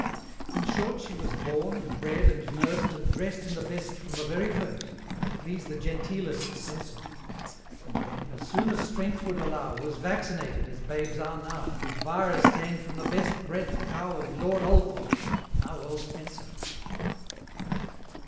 In short she was born, and bred, and nurst, And drest in the best from the very first, To please the genteelest censor And then, as soon as strength would allow, Was vaccinated, as babes are now, With virus ta'en from the best bred cow Of Lord Althorpe's now Earl Spencer.